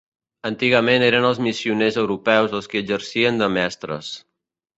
Antigament eren els missioners europeus els qui exercien de mestres.